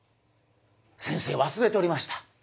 先生忘れておりました。